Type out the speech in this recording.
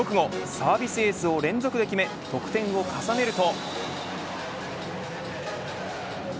サービスエースを連続で決め得点を重ねると。